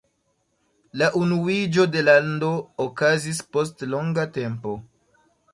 La unuiĝo de lando okazis post longa tempo.